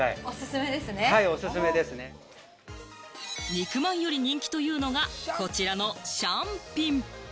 肉まんより人気というのが、こちらのシャンピン。